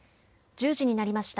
１０時になりました。